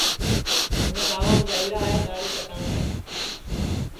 ہُوں گانٚوانٚم جائیرا ہے دہاڑی کٹاوٹؔیں